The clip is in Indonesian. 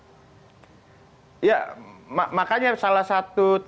ya makanya salah satu tawaran kita kan agar proses ini berjalan keluar